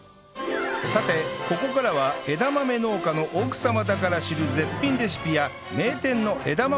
さてここからは枝豆農家の奥様だから知る絶品レシピや名店の枝豆料理を学びます